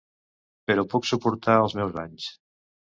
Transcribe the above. Però puc suportar els meus anys.